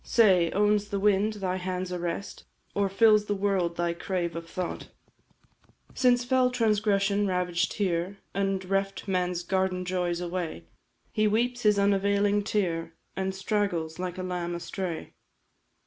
Say, owns the wind thy hand's arrest, Or fills the world thy crave of thought? "Since fell transgression ravaged here And reft Man's garden joys away, He weeps his unavailing tear, And straggles, like a lamb astray.